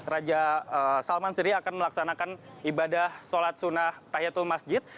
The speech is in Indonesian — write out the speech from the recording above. raja salman sendiri akan melaksanakan ibadah sholat sunnah tahyatul masjid